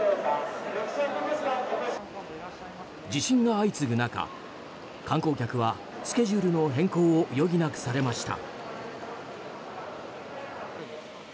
地震が相次ぐ中観光客はスケジュールの変更を余儀なくされました。